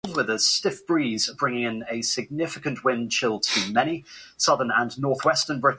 Intestinal metaplasia is classified histologically as complete or incomplete.